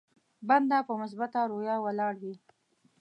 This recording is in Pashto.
بنده په مثبته رويه ولاړ وي.